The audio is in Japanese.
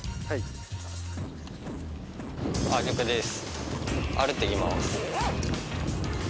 はい。